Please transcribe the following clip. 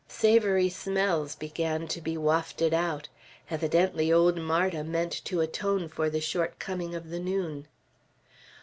Savory smells began to be wafted out. Evidently old Marda meant to atone for the shortcoming of the noon.